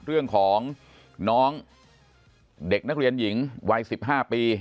เรื่องของน้องเด็กนักเรียนหญิงวัย๑๕ปี